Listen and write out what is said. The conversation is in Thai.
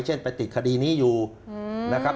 เช่นไปติดคดีนี้อยู่นะครับ